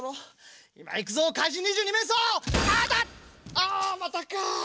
ああまたか！